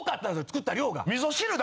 作った量が。